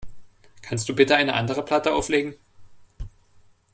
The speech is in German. Kannst du bitte eine andere Platte auflegen?